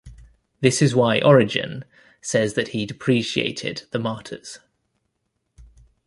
This is why Origen says that he depreciated the martyrs.